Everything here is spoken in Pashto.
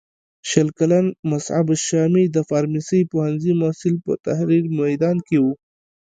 شل کلن مصعب الشامي د فارمسۍ پوهنځي محصل په تحریر میدان کې و.